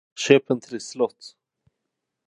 Köp en trisslott!